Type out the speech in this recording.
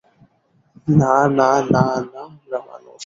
না, না, না, না, আমরা মানুষ।